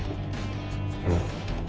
うん？